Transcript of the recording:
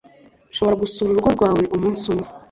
nshobora gusura urugo rwawe umunsi umwe